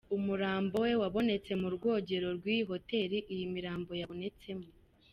Umurambo we wabonetse mu rwogero rw’iyi hotel iyi mirambo yabotsemo.